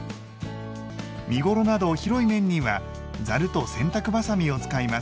身頃など広い面にはざると洗濯ばさみを使います。